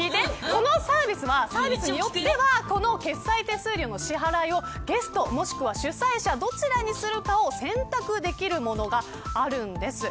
このサービスはサービスによっては決済手数料の支払いをゲストもしくは主催者のどちらにするかを選択できるものがあるんです。